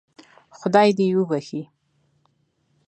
خدای دې وبخشي.